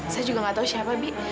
saya juga gak tahu siapa bi